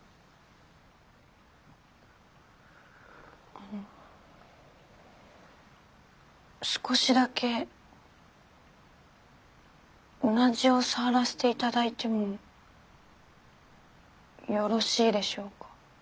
あの少しだけうなじを触らせて頂いてもよろしいでしょうか？